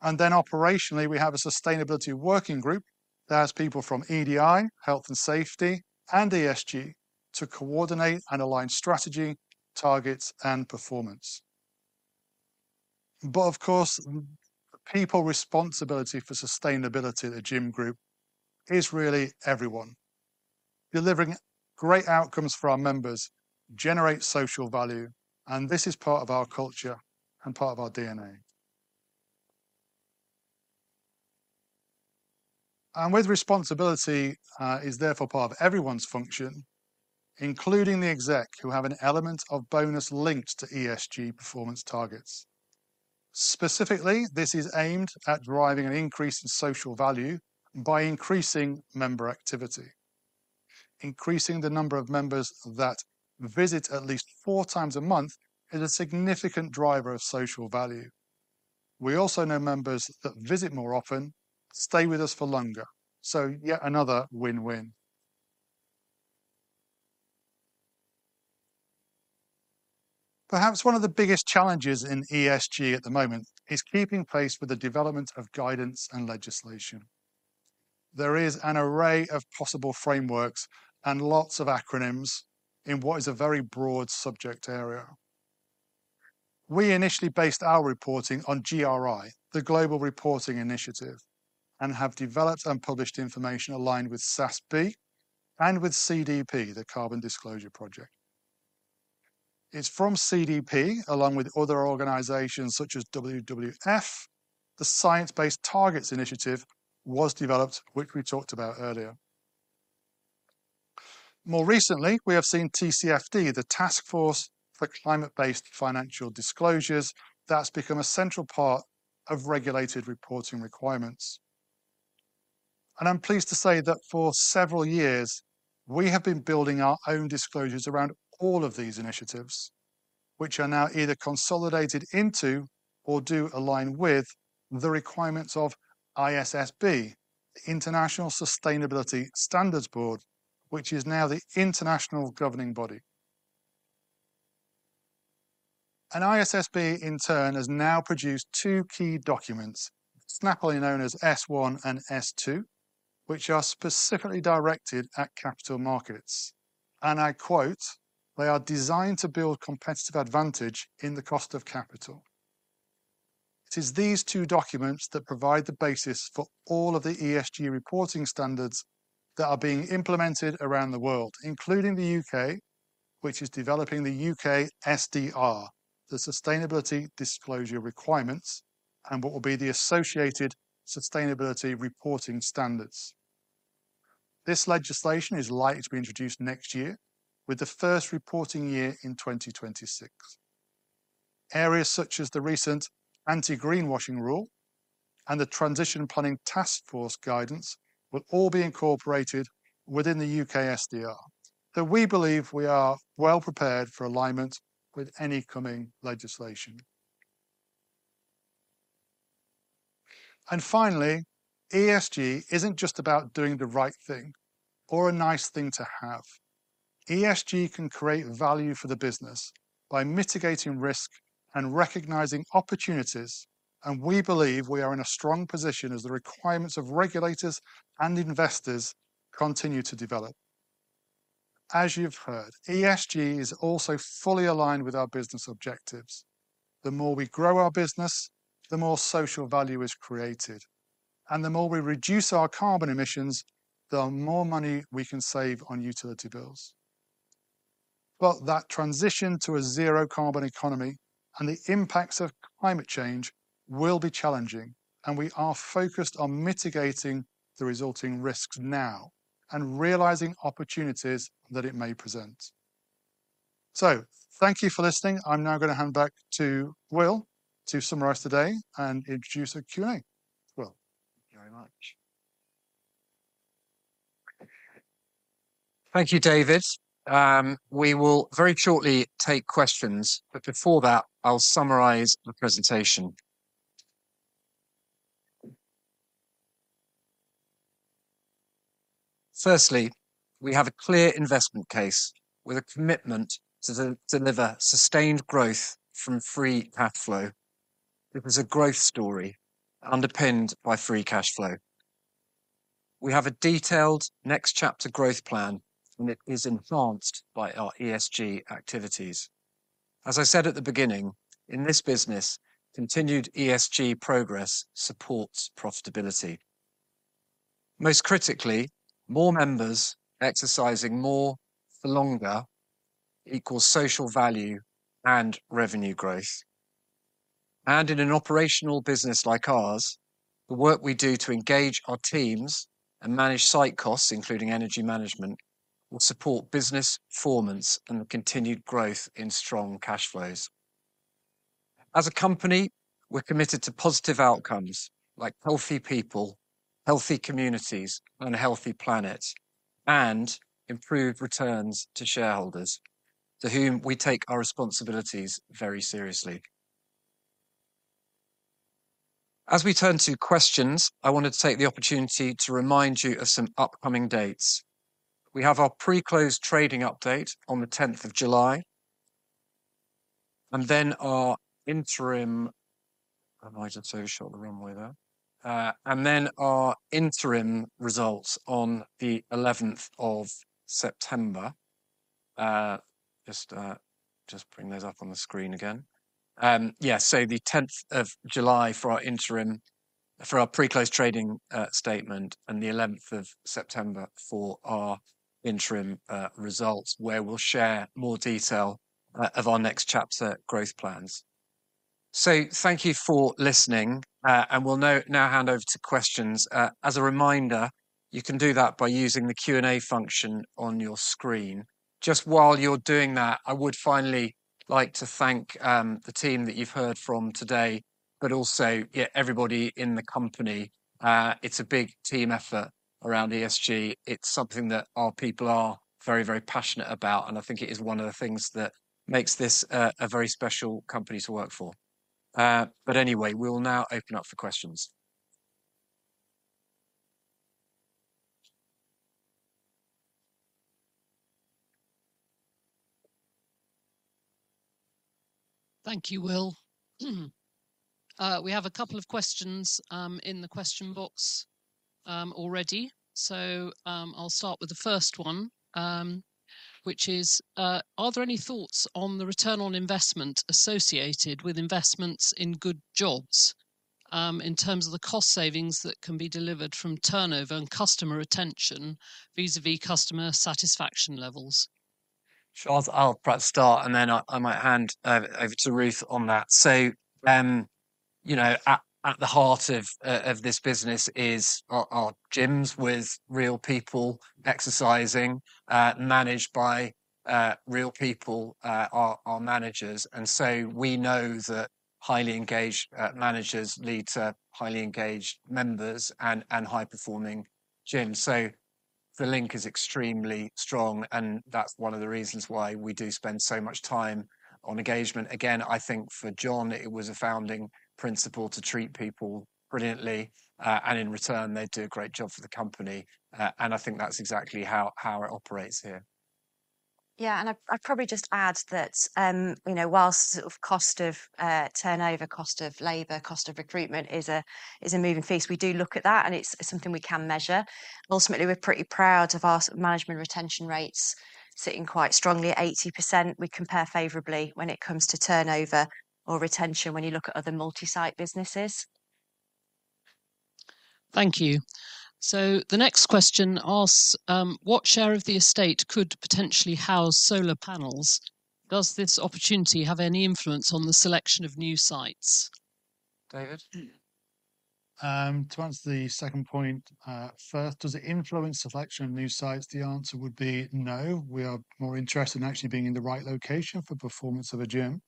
Speaker 4: And then operationally, we have a sustainability working group that has people from EDI, Health and Safety, and ESG to coordinate and align strategy, targets, and performance. But of course, the people responsibility for sustainability at The Gym Group is really everyone. Delivering great outcomes for our members generates social value, and this is part of our culture and part of our DNA. And with responsibility is therefore part of everyone's function, including the exec, who have an element of bonus linked to ESG performance targets. Specifically, this is aimed at driving an increase in social value by increasing member activity. Increasing the number of members that visit at least four times a month is a significant driver of social value. We also know members that visit more often stay with us for longer, so yet another win-win. Perhaps one of the biggest challenges in ESG at the moment is keeping pace with the development of guidance and legislation. There is an array of possible frameworks and lots of acronyms in what is a very broad subject area. We initially based our reporting on GRI, the Global Reporting Initiative, and have developed and published information aligned with SASB and with CDP, the Carbon Disclosure Project. It's from CDP, along with other organizations such as WWF, the Science Based Targets initiative was developed, which we talked about earlier. More recently, we have seen TCFD, the Task Force on Climate-related Financial Disclosures. That's become a central part of regulated reporting requirements. I'm pleased to say that for several years, we have been building our own disclosures around all of these initiatives, which are now either consolidated into or do align with the requirements of ISSB, the International Sustainability Standards Board, which is now the international governing body. ISSB, in turn, has now produced two key documents, snappily known as S1 and S2, which are specifically directed at capital markets. I quote, "They are designed to build competitive advantage in the cost of capital."... It is these two documents that provide the basis for all of the ESG reporting standards that are being implemented around the world, including the U.K., which is developing the U.K. SDR, the Sustainability Disclosure Requirements, and what will be the associated sustainability reporting standards. This legislation is likely to be introduced next year, with the first reporting year in 2026. Areas such as the recent anti-greenwashing rule and the Transition Plan Taskforce guidance will all be incorporated within the U.K. SDR, that we believe we are well prepared for alignment with any coming legislation. Finally, ESG isn't just about doing the right thing or a nice thing to have. ESG can create value for the business by mitigating risk and recognizing opportunities, and we believe we are in a strong position as the requirements of regulators and investors continue to develop. As you've heard, ESG is also fully aligned with our business objectives. The more we grow our business, the more social value is created, and the more we reduce our carbon emissions, the more money we can save on utility bills. But that transition to a zero carbon economy and the impacts of climate change will be challenging, and we are focused on mitigating the resulting risks now and realizing opportunities that it may present. So thank you for listening. I'm now going to hand back to Will to summarize today and introduce a Q&A. Will.
Speaker 1: Thank you very much. Thank you, David. We will very shortly take questions, but before that, I'll summarize the presentation. Firstly, we have a clear investment case with a commitment to deliver sustained growth from free cash flow. It was a growth story underpinned by free cash flow. We have a detailed Next Chapter growth plan, and it is enhanced by our ESG activities. As I said at the beginning, in this business, continued ESG progress supports profitability. Most critically, more members exercising more for longer equals social value and revenue growth. And in an operational business like ours, the work we do to engage our teams and manage site costs, including energy management, will support business performance and continued growth in strong cash flows. As a company, we're committed to positive outcomes, like healthy people, healthy communities, and a healthy planet, and improved returns to shareholders, to whom we take our responsibilities very seriously. As we turn to questions, I wanted to take the opportunity to remind you of some upcoming dates. We have our pre-close trading update on the 10th of July, and then our interim... I might have to show the runway there. And then our interim results on the 11th of September. Just bring those up on the screen again. Yeah, so the 10th of July for our interim, for our pre-close trading statement, and the 11th of September for our interim results, where we'll share more detail of our Next Chapter growth plans. So thank you for listening, and we'll now hand over to questions. As a reminder, you can do that by using the Q&A function on your screen. Just while you're doing that, I would finally like to thank the team that you've heard from today, but also, yeah, everybody in the company. It's a big team effort around ESG. It's something that our people are very, very passionate about, and I think it is one of the things that makes this a very special company to work for. But anyway, we'll now open up for questions.
Speaker 5: Thank you, Will. We have a couple of questions in the question box already. So, I'll start with the first one, which is: Are there any thoughts on the return on investment associated with investments in good jobs, in terms of the cost savings that can be delivered from turnover and customer retention vis-à-vis customer satisfaction levels?
Speaker 1: Sure. I'll perhaps start, and then I might hand over to Ruth on that. So, you know, at the heart of this business is our gyms with real people exercising, managed by real people, our managers. And so we know that highly engaged managers lead to highly engaged members and high-performing gyms. So the link is extremely strong, and that's one of the reasons why we do spend so much time on engagement. Again, I think for John, it was a founding principle to treat people brilliantly, and in return, they do a great job for the company. And I think that's exactly how it operates here.
Speaker 3: Yeah, and I'd probably just add that, you know, while sort of cost of turnover, cost of labor, cost of recruitment is a moving feast, we do look at that, and it's something we can measure. Ultimately, we're pretty proud of our management retention rates sitting quite strongly at 80%. We compare favorably when it comes to turnover or retention when you look at other multi-site businesses.
Speaker 5: Thank you. So the next question asks, "What share of the estate could potentially house solar panels? Does this opportunity have any influence on the selection of new sites?"
Speaker 1: David?
Speaker 4: To answer the second point, first, does it influence the selection of new sites? The answer would be no. We are more interested in actually being in the right location for performance of a gym.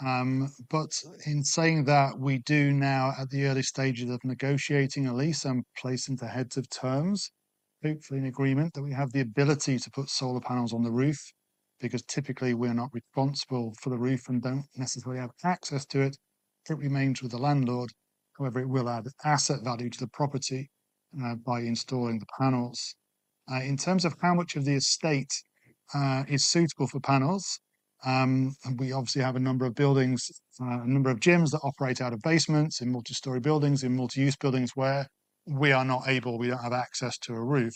Speaker 4: But in saying that, we do now, at the early stages of negotiating a lease and placing the heads of terms, hopefully in agreement, that we have the ability to put solar panels on the roof, because typically we're not responsible for the roof and don't necessarily have access to it. It remains with the landlord. However, it will add asset value to the property, by installing the panels. In terms of how much of the estate is suitable for panels, we obviously have a number of buildings, a number of gyms that operate out of basements, in multi-story buildings, in multi-use buildings, where we are not able, we don't have access to a roof.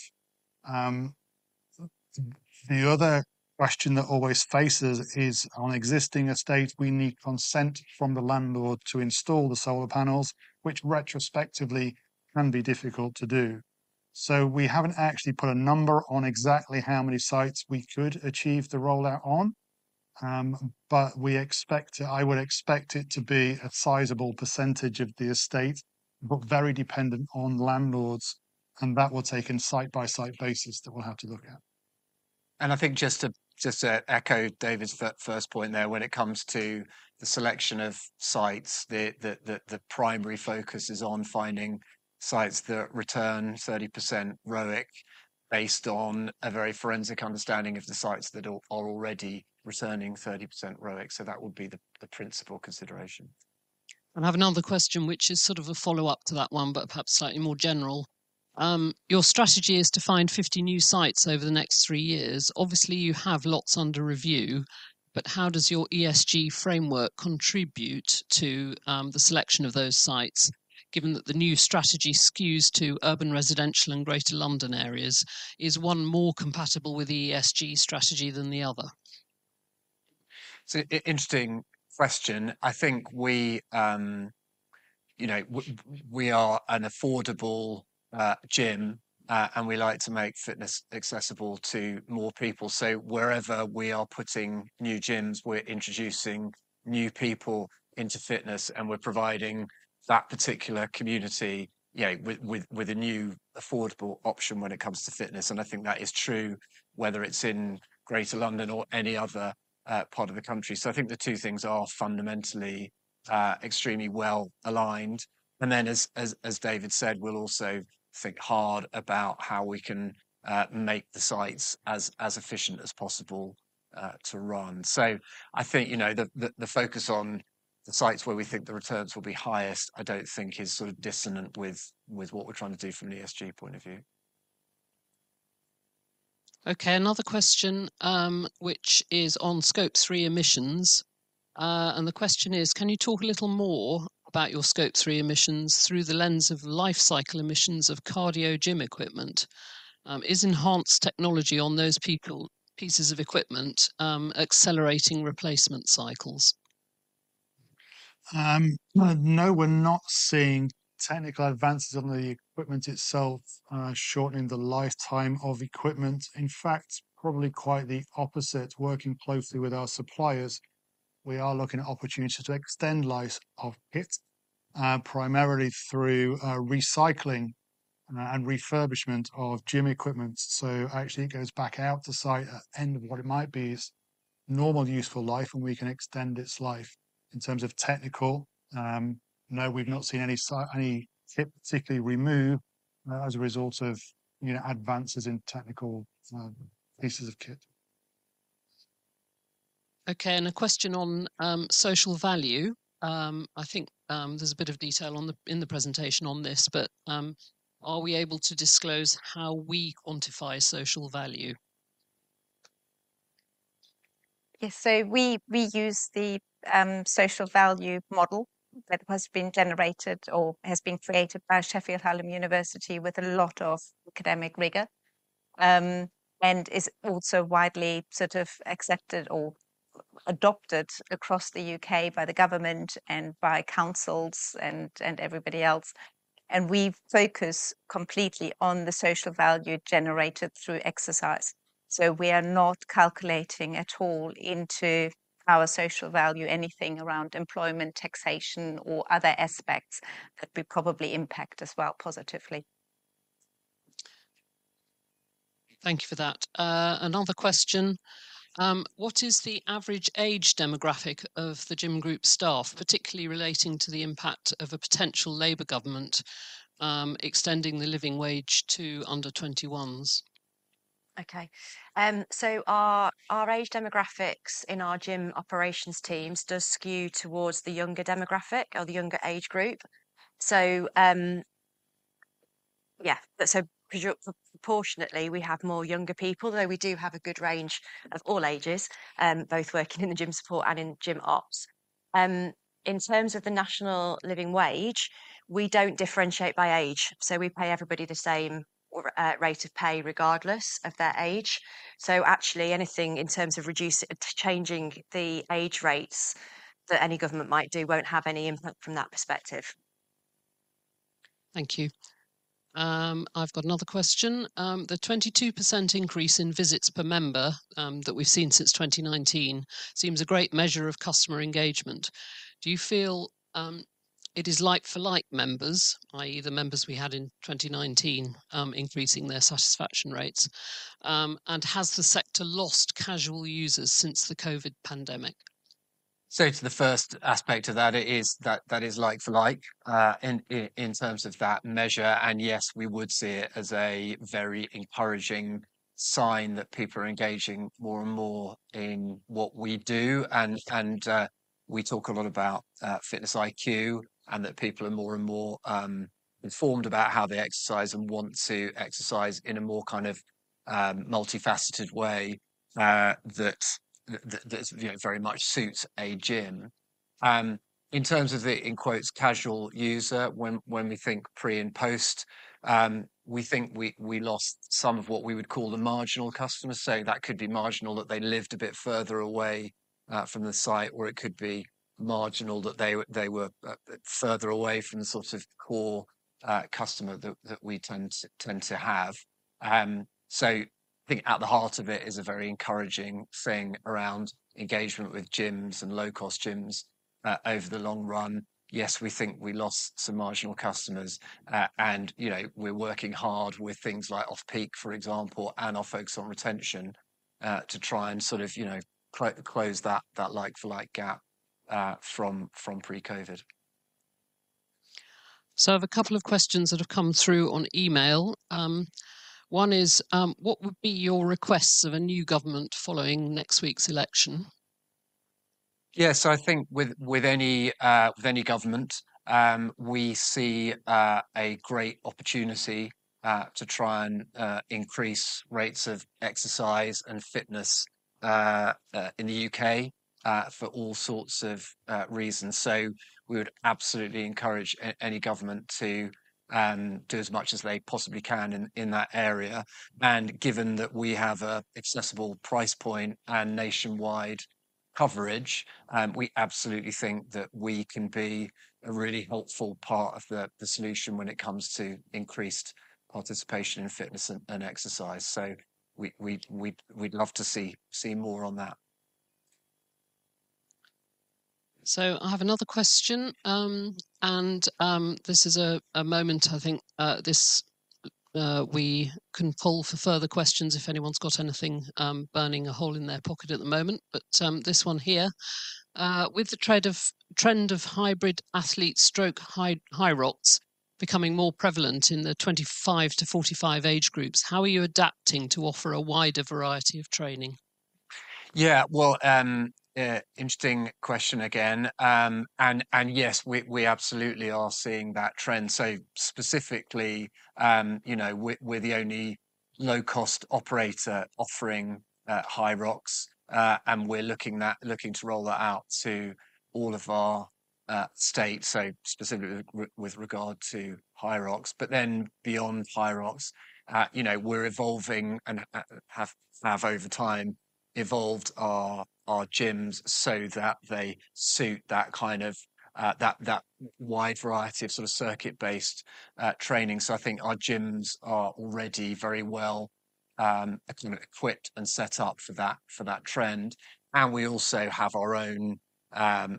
Speaker 4: The other question that always faces is, on existing estate, we need consent from the landlord to install the solar panels, which retrospectively can be difficult to do. So we haven't actually put a number on exactly how many sites we could achieve the rollout on. But we expect it... I would expect it to be a sizable percentage of the estate, but very dependent on landlords, and that we'll take in site-by-site basis that we'll have to look at.
Speaker 1: I think just to echo David's first point there, when it comes to the selection of sites, the primary focus is on finding sites that return 30% ROIC based on a very forensic understanding of the sites that are already returning 30% ROIC, so that would be the principal consideration.
Speaker 5: I have another question, which is sort of a follow-up to that one, but perhaps slightly more general. Your strategy is to find 50 new sites over the next 3 years. Obviously, you have lots under review, but how does your ESG framework contribute to the selection of those sites, given that the new strategy skews to urban, residential, and Greater London areas? Is one more compatible with the ESG strategy than the other?
Speaker 1: It's an interesting question. I think we, you know, we are an affordable gym, and we like to make fitness accessible to more people. So wherever we are putting new gyms, we're introducing new people into fitness, and we're providing that particular community, you know, with a new, affordable option when it comes to fitness, and I think that is true, whether it's in Greater London or any other part of the country. So I think the two things are fundamentally extremely well-aligned. And then, as David said, we'll also think hard about how we can make the sites as efficient as possible to run. I think, you know, the focus on the sites where we think the returns will be highest, I don't think is sort of dissonant with what we're trying to do from an ESG point of view.
Speaker 5: Okay, another question, which is on Scope 3 emissions. The question is: Can you talk a little more about your Scope 3 emissions through the lens of life cycle emissions of cardio gym equipment? Is enhanced technology on those pieces of equipment accelerating replacement cycles?
Speaker 4: No, we're not seeing technical advances on the equipment itself shortening the lifetime of equipment. In fact, probably quite the opposite. Working closely with our suppliers, we are looking at opportunities to extend life of kit primarily through recycling and refurbishment of gym equipment. So actually, it goes back out to site at end of what it might be as normal, useful life, and we can extend its life. In terms of technical, no, we've not seen any kit particularly remove as a result of, you know, advances in technical pieces of kit.
Speaker 5: Okay, and a question on social value. I think there's a bit of detail in the presentation on this, but are we able to disclose how we quantify social value?
Speaker 2: Yes, so we use the social value model that has been generated or has been created by Sheffield Hallam University with a lot of academic rigor. And is also widely sort of accepted or adopted across the U.K. by the government and by councils and everybody else. And we focus completely on the social value generated through exercise, so we are not calculating at all into our social value anything around employment, taxation, or other aspects that we probably impact as well positively.
Speaker 5: Thank you for that. Another question: What is the average age demographic of The Gym Group staff, particularly relating to the impact of a potential Labour government extending the Living Wage to under twenty-ones?
Speaker 3: Okay, so our age demographics in our gym operations teams does skew towards the younger demographic or the younger age group. So, yeah, so proportionately, we have more younger people, though we do have a good range of all ages, both working in the gym support and in gym ops. In terms of the National Living Wage, we don't differentiate by age, so we pay everybody the same rate of pay, regardless of their age. So actually, anything in terms of reducing, changing the age rates that any government might do won't have any impact from that perspective.
Speaker 5: Thank you. I've got another question. The 22% increase in visits per member that we've seen since 2019 seems a great measure of customer engagement. Do you feel it is like-for-like members, i.e., the members we had in 2019, increasing their satisfaction rates? And has the sector lost casual users since the COVID pandemic?
Speaker 1: So to the first aspect of that, it is, that, that is like for like, in terms of that measure, and yes, we would see it as a very encouraging sign that people are engaging more and more in what we do. And we talk a lot about fitness IQ, and that people are more and more informed about how they exercise and want to exercise in a more kind of multifaceted way, that you know very much suits a gym. In terms of the, in quotes, "casual user," when we think pre- and post, we think we lost some of what we would call the marginal customers. So that could be marginal, that they lived a bit further away from the site, or it could be marginal that they were further away from the sort of core customer that we tend to have. So I think at the heart of it is a very encouraging thing around engagement with gyms and low-cost gyms over the long run. Yes, we think we lost some marginal customers, and, you know, we're working hard with things like Off-Peak, for example, and our focus on retention to try and sort of, you know, close that like-for-like gap from pre-COVID.
Speaker 5: I have a couple of questions that have come through on email. One is: "What would be your requests of a new government following next week's election?
Speaker 1: Yeah, so I think with any government, we see a great opportunity to try and increase rates of exercise and fitness in the UK for all sorts of reasons. So we would absolutely encourage any government to do as much as they possibly can in that area. And given that we have an accessible price point and nationwide coverage, we absolutely think that we can be a really helpful part of the solution when it comes to increased participation in fitness and exercise. So we'd love to see more on that.
Speaker 5: So I have another question. And, this is a moment, I think, we can poll for further questions if anyone's got anything burning a hole in their pocket at the moment, but, this one here: "With the trend of hybrid athlete stroke HYROX becoming more prevalent in the 25-45 age groups, how are you adapting to offer a wider variety of training?
Speaker 1: Yeah, well, interesting question again. Yes, we absolutely are seeing that trend. So specifically, you know, we're the only low-cost operator offering HYROX, and we're looking to roll that out to all of our sites, so specifically with regard to HYROX. But then beyond HYROX, you know, we're evolving and have over time evolved our gyms so that they suit that kind of wide variety of sort of circuit-based training. So I think our gyms are already very well equipped and set up for that trend, and we also have our own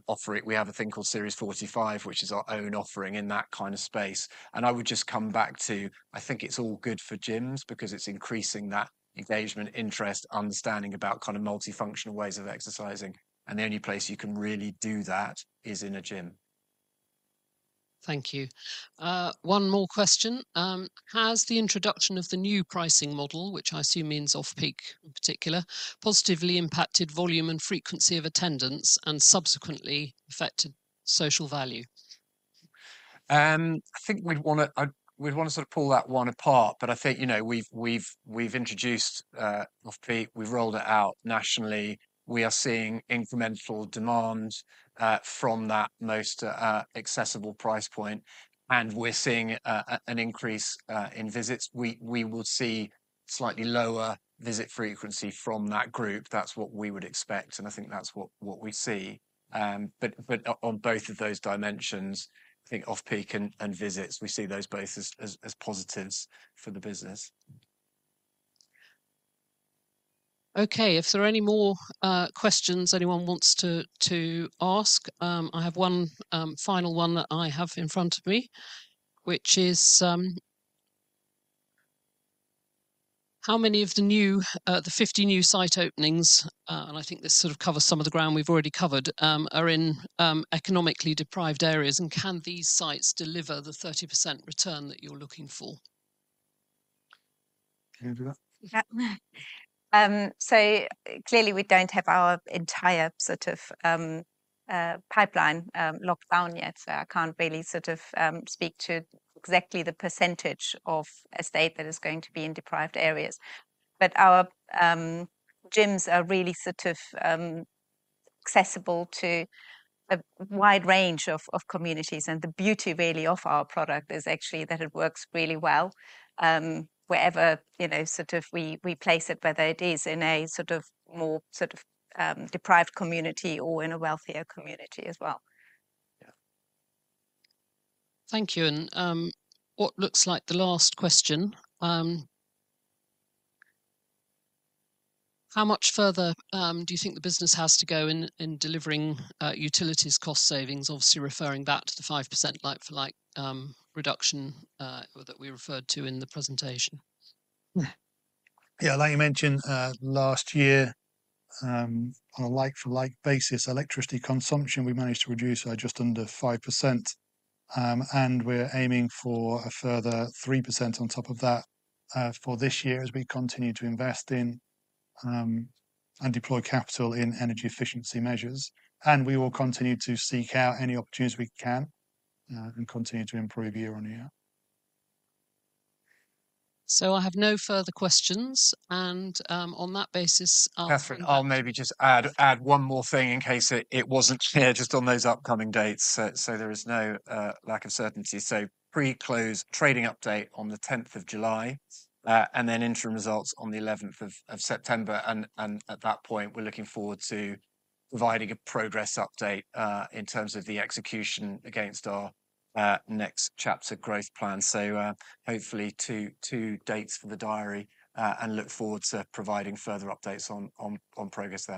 Speaker 1: offering. We have a thing called Series 45, which is our own offering in that kind of space. I would just come back to, I think it's all good for gyms because it's increasing that engagement, interest, understanding about kind of multifunctional ways of exercising, and the only place you can really do that is in a gym.
Speaker 5: Thank you. One more question: "Has the introduction of the new pricing model," which I assume means Off-Peak in particular, "positively impacted volume and frequency of attendance and subsequently affected social value?
Speaker 1: I think we'd wanna... I'd, we'd wanna sort of pull that one apart, but I think, you know, we've introduced Off-Peak, we've rolled it out nationally. We are seeing incremental demand from that most accessible price point, and we're seeing an increase in visits. We will see slightly lower visit frequency from that group. That's what we would expect, and I think that's what we see. But on both of those dimensions, I think Off-Peak and visits, we see those both as positives for the business.
Speaker 5: Okay, if there are any more questions anyone wants to ask, I have one final one that I have in front of me, which is: "How many of the new the 50 new site openings," and I think this sort of covers some of the ground we've already covered, "are in economically deprived areas, and can these sites deliver the 30% return that you're looking for?
Speaker 1: Can you do that?
Speaker 2: Yeah. So clearly we don't have our entire sort of pipeline locked down yet, so I can't really sort of speak to exactly the percentage of estate that is going to be in deprived areas. But our gyms are really sort of accessible to a wide range of communities, and the beauty really of our product is actually that it works really well wherever, you know, sort of we place it, whether it is in a sort of more sort of deprived community or in a wealthier community as well.
Speaker 1: Yeah.
Speaker 5: Thank you, and, what looks like the last question: "How much further do you think the business has to go in delivering utilities cost savings?" Obviously, referring back to the 5% like-for-like reduction that we referred to in the presentation.
Speaker 2: Yeah.
Speaker 4: Yeah, like you mentioned, last year, on a like-for-like basis, electricity consumption, we managed to reduce by just under 5%, and we're aiming for a further 3% on top of that, for this year as we continue to invest in, and deploy capital in energy efficiency measures, and we will continue to seek out any opportunities we can, and continue to improve year-on-year.
Speaker 5: So I have no further questions, and on that basis, I'll-
Speaker 1: Katharine, I'll maybe just add one more thing in case it wasn't clear, just on those upcoming dates, so there is no lack of certainty. So pre-close trading update on the tenth of July, and then interim results on the eleventh of September, and at that point, we're looking forward to providing a progress update in terms of the execution against our Next Chapter growth plan. So, hopefully two dates for the diary, and look forward to providing further updates on progress there.